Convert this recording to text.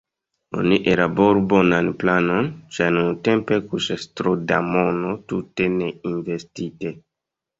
Oni ellaboru bonan planon, ĉar nuntempe kuŝas tro da mono tute ne investite.